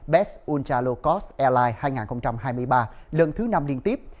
best ultra low cost airline hai nghìn hai mươi ba lần thứ năm liên tiếp